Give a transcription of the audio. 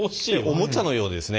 おもちゃのようなですね